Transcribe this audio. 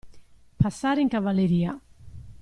Passare in cavalleria.